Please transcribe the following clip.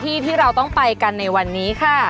ที่เราต้องไปกันในวันนี้ค่ะ